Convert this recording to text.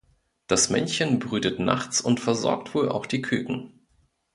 Das Männchen brütet nachts und versorgt wohl auch die Küken.